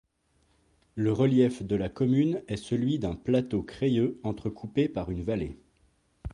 Le relief de la commune est celui d'un plateau crayeux entrecoupé par une vallée.